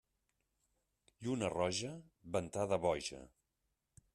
Lluna roja, ventada boja.